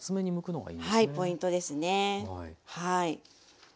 はい。